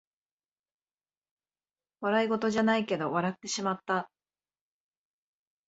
笑いごとじゃないけど笑ってしまった